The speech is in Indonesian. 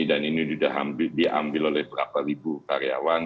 dan ini sudah diambil oleh berapa ribu karyawan